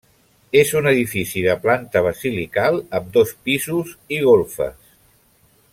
És un edifici de planta basilical amb dos pisos i golfes.